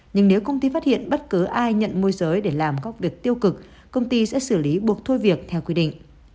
nhưng nếu công ty phát hiện bất cứ ai nhận môi giới để làm gốc việc tiêu cực công ty sẽ xử lý buộc thôi việc theo quy định